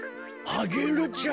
アゲルちゃん。